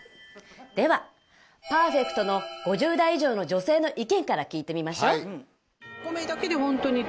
ではパーフェクトの５０代以上の女性の意見から聞いてみましょう。